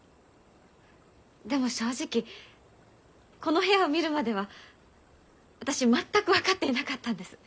でも正直この部屋を見るまでは私全く分かっていなかったんです。